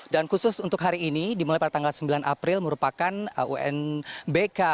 dan khusus untuk hari ini dimulai pada tanggal sembilan april merupakan unbk